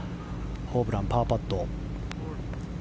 ホブラン、パーパット。